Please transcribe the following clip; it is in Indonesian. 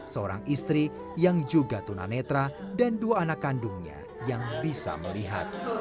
seorang istri yang juga tunanetra dan dua anak kandungnya yang bisa melihat